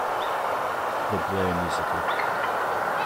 The Blair Musical.